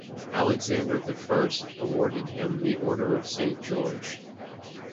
Alexander the First awarded him the Order of Saint George.